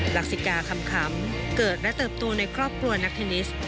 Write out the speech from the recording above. หลักสิกาคำขำเกิดและเติบโตในครอบครัวนักเทนนิส